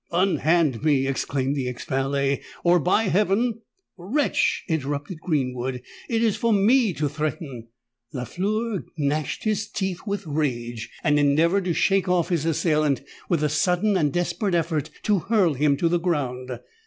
"Unhand me," exclaimed the ex valet; "or, by heaven——" "Wretch!" interrupted Greenwood: "it is for me to threaten!" Lafleur gnashed his teeth with rage, and endeavoured to shake off his assailant with a sudden and desperate effort to hurl him to the ground.